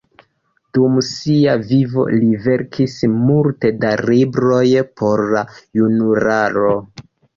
Dum sia vivo li verkis multe da libroj por la junularo.